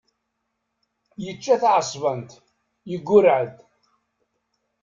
Yečča taεeṣbant, yeggurreε-d.